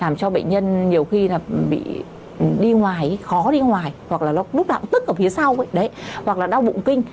làm cho bệnh nhân nhiều khi bị đi ngoài khó đi ngoài hoặc là nó lúc nào cũng tức ở phía sau hoặc là đau bụng kinh